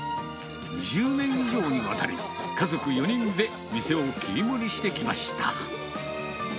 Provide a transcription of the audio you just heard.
２０年以上にわたり、家族４人で店を切り盛りしてきました。